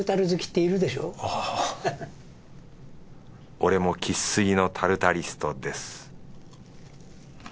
俺も生粋のタルタリストです